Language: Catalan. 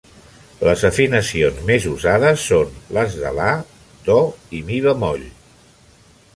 Les afinacions més usades són les de la, do i mi bemoll.